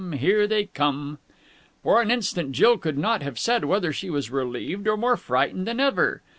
Here they come!" For an instant Jill could not have said whether she was relieved or more frightened than ever.